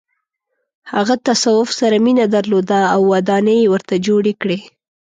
هغه تصوف سره مینه درلوده او ودانۍ یې ورته جوړې کړې.